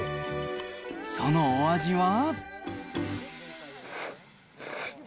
そのお味は。